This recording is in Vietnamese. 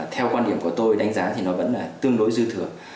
theo quan điểm của tôi đánh giá thì nó vẫn là tương đối dư thường